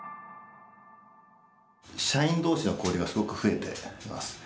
社員同士の交流がすごく増えてます。